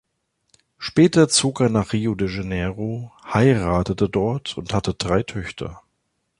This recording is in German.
Später zog er nach Rio de Janeiro, heiratete dort und hatte drei Töchter.